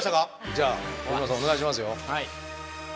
じゃあ小島さんお願いしますよ。